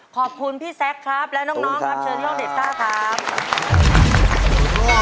ขอบคุณพี่แซคครับและน้องครับเชิญน้องเด็กซ่าครับ